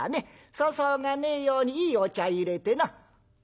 粗相がねえようにいいお茶いれてな」。